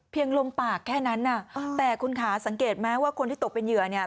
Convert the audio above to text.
ลมปากแค่นั้นแต่คุณขาสังเกตไหมว่าคนที่ตกเป็นเหยื่อเนี่ย